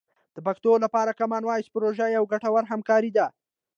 د پښتو لپاره کامن وایس پروژه یوه ګټوره همکاري ده.